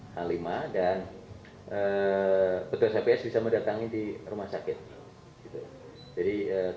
h lima dan petugas hps bisa mendatangi di rumah sakit